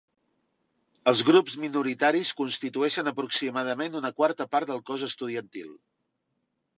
Els grups minoritaris constitueixen aproximadament una quarta part del cos estudiantil.